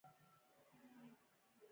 موږ دومره وږي وو چې هر شي خوړلو ته مجبور وو